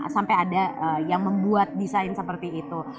sampai ada yang membuat desain seperti itu